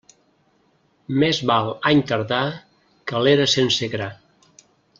Més val any tardà que l'era sense gra.